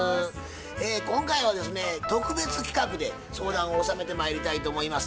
今回はですね特別企画で相談をおさめてまいりたいと思います。